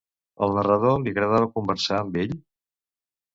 Al narrador li agradava conversar amb ell?